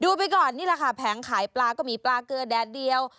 ไปก่อนนี่แหละค่ะแผงขายปลาก็มีปลาเกลือแดดเดียว